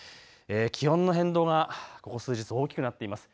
気温の変動がここ数日、大きくなっています。